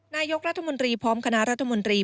นายกรัฐมนตรีพร้อมคณะรัฐมนตรี